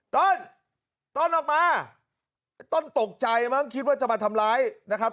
ต้นตอนออกมาไอ้ต้นตกใจมั้งคิดว่าจะมาทำร้ายนะครับ